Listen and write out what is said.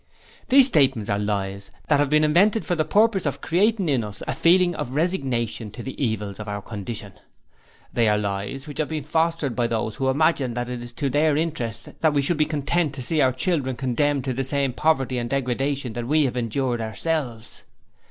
'These statements are lies that have been invented for the purpose of creating in us a feeling of resignation to the evils of our condition. They are lies which have been fostered by those who imagine that it is to their interest that we should be content to see our children condemned to the same poverty and degradation that we have endured ourselves.